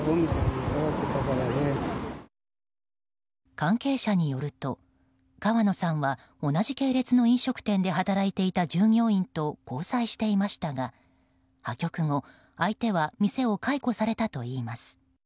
関係者によると、川野さんは同じ系列の飲食店で働いていた従業員と交際していましたが破局後相手は店を解雇されたといいます。